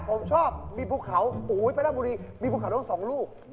ผมชอบมีบุคเขาอู๊ยไปร้านบุรีมีบุคเขาสองลูก